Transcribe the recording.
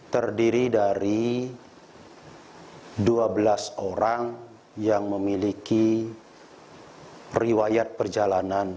terdiri dari dua belas orang yang memiliki riwayat perjalanan